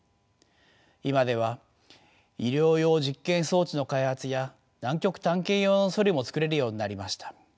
今では医療用実験装置の開発や南極探検用のソリも作れるようになりました。